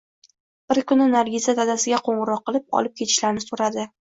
Bir kuni Nargiza dadasiga qo`ng`iroq qilib, olib ketishlarini so`radi